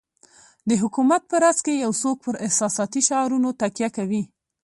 د حکومت په راس کې یو څوک پر احساساتي شعارونو تکیه کوي.